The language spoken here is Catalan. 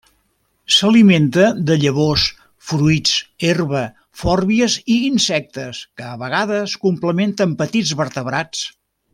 S'alimenta de llavors, fruits, herba, fòrbies i insectes, que a vegades complementa amb petits vertebrats.